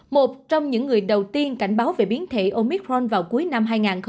một trong những người đầu tiên cảnh báo về biến thể omicron vào cuối năm hai nghìn hai mươi